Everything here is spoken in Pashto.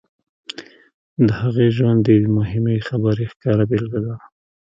د هغې ژوند د یوې مهمې خبرې ښکاره بېلګه ده